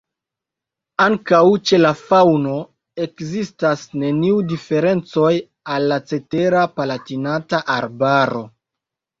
Ankaŭ ĉe la faŭno ekzistas neniu diferencoj al la cetera Palatinata Arbaro.